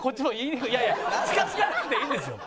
いやいや近づかなくていいんですよ。